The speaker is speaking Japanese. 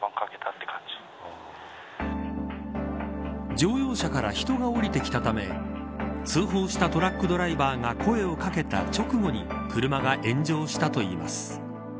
乗用車から人が降りてきたため通報したトラックドライバーが声を掛けた直後に車が炎上したといいます。